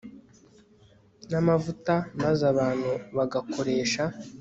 namavuta maze abantu bagakoresha